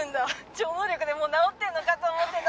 「超能力でもう治ってるのかと思ってた」